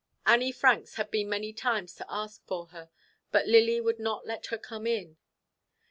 Annie Franks had been many times to ask for her, but Lily would not let her come in.